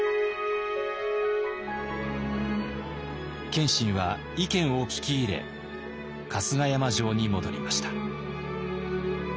謙信は意見を聞き入れ春日山城に戻りました。